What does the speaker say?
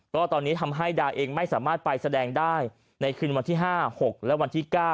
ก็ตอนนี้ทำให้ดาเองไม่สามารถไปแสดงได้ในคืนวันที่๕๖และวันที่๙